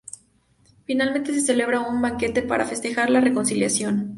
Finalmente se celebró un banquete para festejar la reconciliación.